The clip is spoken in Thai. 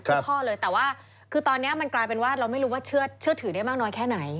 ข้อเลยแต่ว่าคือตอนนี้มันกลายเป็นว่าเราไม่รู้ว่าเชื่อถือได้มากน้อยแค่ไหน